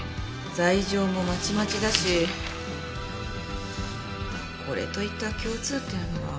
罪状もまちまちだしこれといった共通点は。